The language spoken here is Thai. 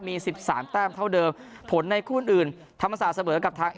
มี๑๓แต้มเท่าเดิมผลในคู่อื่นธรรมศาสตร์เสมอกับทาง